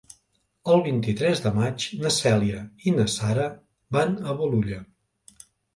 El vint-i-tres de maig na Cèlia i na Sara van a Bolulla.